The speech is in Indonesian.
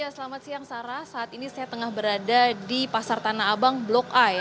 selamat siang sarah saat ini saya tengah berada di pasar tanah abang blok a